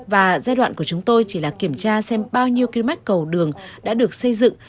và giai đoạn của chúng tôi chỉ là kiểm tra xem bao nhiêu km cầu đường đã được xây dựng